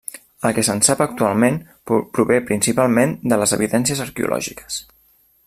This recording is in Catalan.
El que se'n sap actualment prové principalment de les evidències arqueològiques.